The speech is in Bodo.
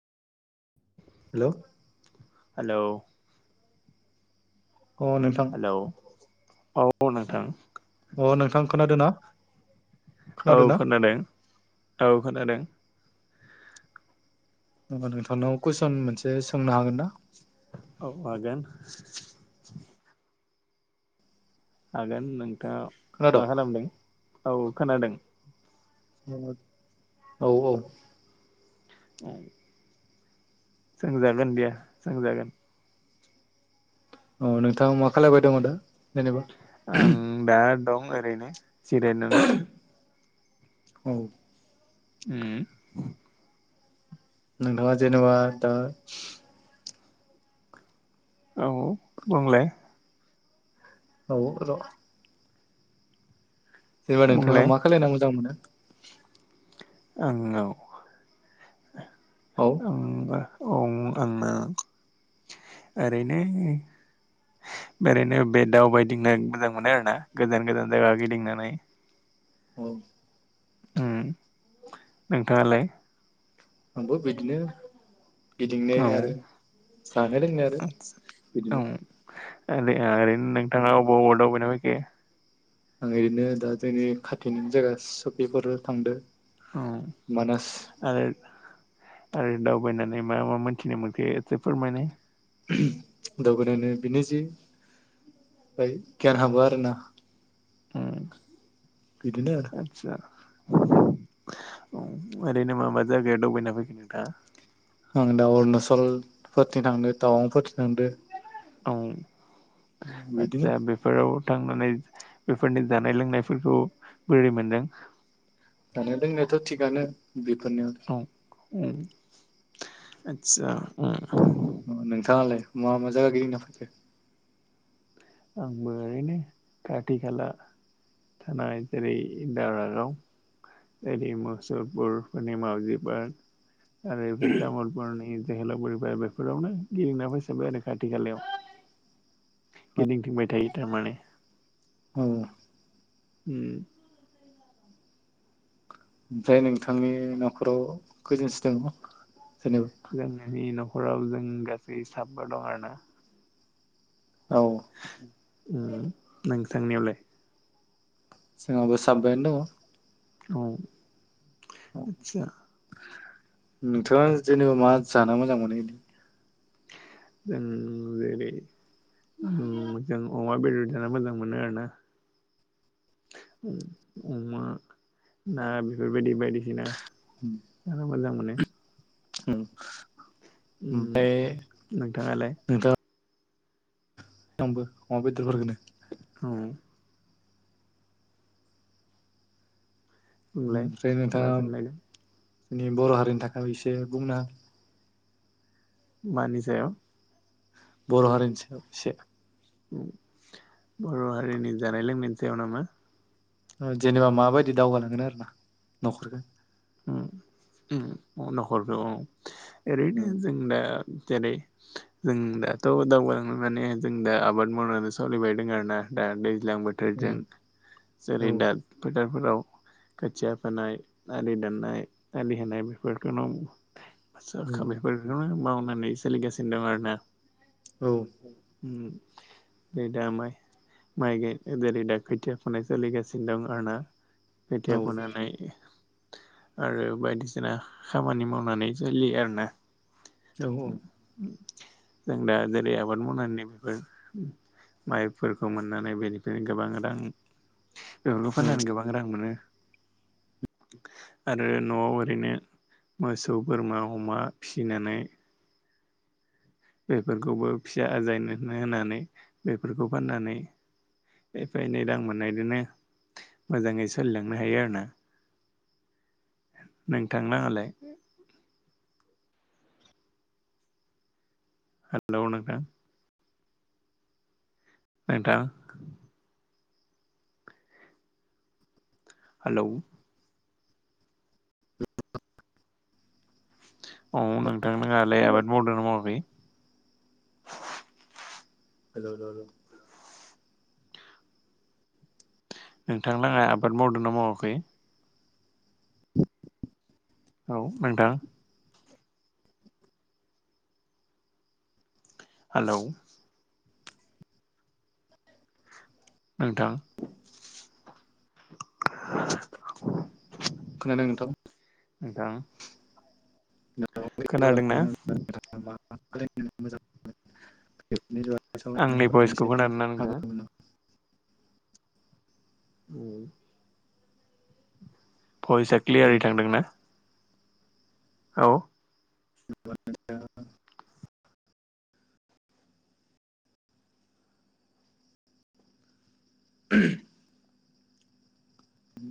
हेलौ। हेलौ। अ नोंथां। हेलौ औ नोंथां। अ नोंथां खोनादों ना। औ खोनादों औ खोनादों। होमबा नोंथांनाव कुइसन मोनसे सोंनो हागोन ना। औ हागोन। हागोन नोंथां। औ खोनाद' मा खालामदों? औ खोनादों। औ औ औ। औ। सोंजागोन दे सोंजागोन। अ नोंथाङा मा खालायबाय दङ' दा? जेनेबा आं दा दं ओरैनो जिरायनानै। औ। उम। नोंथाङा जेनेबा दा औ बुंलाय। औ र'। जेनेबा नोंथाङा बुंलाय मा खालायना मोजां मोनो? आंनाव औ ओमबा औ आंना ओरैनो ओरैनो बे दावबायदिंनो मोजां मोनो आरोना गोजान गोजान जायगा गिदिंनानै। औ। उम नोंथाङालाय? आंबो बेदिनो गिदिंनाय आरो जानाय लोंनाय आरो औ औ बिदिनो। ओरै ओरैनो नोंथाङा अबाव अबाव दावबायना फैखो? आं ओरैनो दा जोंनि खाथिनि जायगा सफिफोराव थांदो। औ मानास आरो आरो दावबायनानै मा मा मोनथिनो मोनखो एसे फोरमायनाय। दावबायनानै बिनो जि फ्राय गियान हाबो आरोना बिदिनो आरो आतसा औ ओरैनो मा मा जायगायाव दावबायना फैखो नोंथाङा? आङो दा अरुणाचलफोरथि थांदो टावांफोरथि थांदो। औ। बिदिनो आतसा बेफोराव थांनानै बेफोरनि जानाय लोंनायफोरखौ बोरै मोनदों? जानाया लोंनायाथ' थिगानो। बिफोरनो आरो औ उम आतसा उम। अ नोंथाङालाय मा मा जायगा गिदिंना फायखो? आंबो ओरैनो खाथि खाला थानाय जेरै दावरागाव ओरै मसुलपुर ओरै माउजि पार्क। ओरै बै तामुलपुरनि जोहोलाव फुरि पार्क बेफोरावनो गिदिंना फैसोबाय आरो खाथि खालायाव। गिदिंथिंबाय थायो थारमाने। औ। उम। ओमफ्राय नोंथांनि न'खराव खैजोनसो दङ? जेनेबा जोंहानि नख खराव जों गासै साबा दं आर [inaudible] ना औ। उ नोंथांनियावलाय? जोंहाबो साबायानो दङ'। औ आतसा। नोंथाङा जेनेबा मा जानो मोजां मोनो बिदि? जों जेरै उ जों अमा बेदर जानो मोजां मोनो आरोना अ-अमा ना बेफोरबायदि बायदिसिना जानो मोजां माने उम। उ नोंथाङालाय? नोंथाङा आंबो अमा बेदरफोरखौनो औ। बुंलाय ओमफ्राय मा सोंनायदों नोंथाङा [unintelligible] बर हारिनि थाखाय इसे बुंनो मानिसायाव बर हारिनि सायाव एसे ओम बर हारिनि जानाय लोंनायनि सायाव नामा? जेनेबा माबायदि दावगानांगोन आरो ना नखरखौ [unintelligible] ओरैनो उम जों दा जेरै जों दाथ दावगालांनाय माने जों दा आबाद मावनानै सोलिबाय दं आरो ना दा दैज्लां बोथोरजों उम जेरै औ दा फोथा [unintelligible] खोथिया फोनाय आलि दाननाय आलि होनाय बेफोरखौ [unintelligible] फसा उम [unintelligible] माव माने सोलिगासिनो दं आरो ना औ उ [unintelligible] जेरै दा खोथिया खुनाय सोलिगासिनो दं आरोना औ औ [unintelligible] नाय आरो बायदिसिना खामानि मावनानै जोलि आरो ना नंगौ जों दा जेरै आबाद मावनायनि [unintelligible] माइफोरखौ मोननानै बेनिफ्रायनो गोबां रां [unintelligible] फाननानै गोबां रां मोनो आरो नआव ओरैनो मोसौ बोरमा अमा फिसिनानै बेफोरखौबो फिसा आजायनो होनानै बेफोरखौ फाननानै एफा एनै रां मोननायदोनो मोजाङै सोलिलांनो हायो आरोना। नोंथांलाहालाय? हेलौ नोंथां नोंथां हालौ औ नोंथां नोङालाय आबाद मावदों मावाखै? [unintelligible] नोंथांलाहा आबाद मावदोंना मावाखै? औ नोंथां। हेलौ नोंथां [inaudible] खोनादों नोंथां नोंथां खोनादोंं ना? दावगालांगोन [unintelligible] आंनि भइसखौ खोनादोंना नोंथाङा [unintelligible] उम। भइसा औ क्लियारै थांदों ना? औ। दा